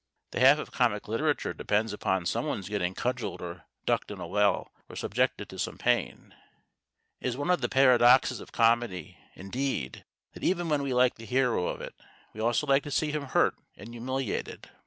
The half of comic literature depends upon someone's getting cudgelled or ducked in a well, or subjected to some pain. It is one of the paradoxes of comedy, indeed, that, even when we like the hero of it, we also like to see him hurt and humiliated.